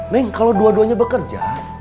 neng kalau dua duanya bekerja